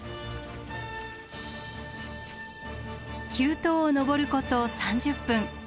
急登を登ること３０分。